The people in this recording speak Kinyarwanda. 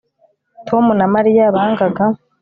Tom na Mariya bangaga